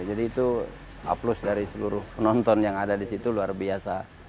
jadi itu aplos dari seluruh penonton yang ada di situ luar biasa